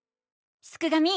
すくがミ！